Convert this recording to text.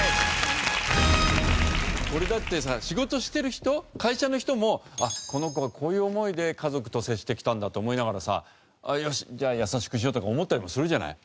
これだってさ仕事してる人会社の人もあっこの子はこういう思いで家族と接してきたんだって思いながらさよしじゃあ優しくしようとか思ったりもするじゃない。